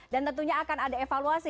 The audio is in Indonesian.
dan tentunya akan ada evaluasi